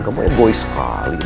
kamu goy sekali